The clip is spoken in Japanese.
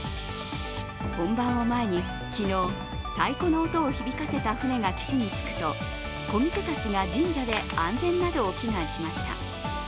本番を前に、昨日、太鼓の音を響かせた船が岸に着くと漕ぎ手たちが、神社で安全などを祈願しました。